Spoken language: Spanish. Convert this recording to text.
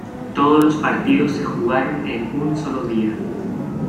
Todos los partidos se jugaron en un solo día.